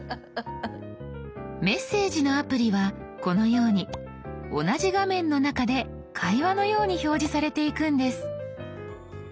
メッセージのアプリはこのように同じ画面の中で会話のように表示されていくんです。